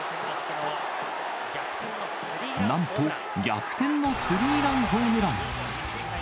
なんと逆転のスリーランホームラン。